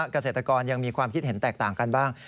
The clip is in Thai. เกษตรกรยังมีความคิดเห็นแตกต่างกันบ้าง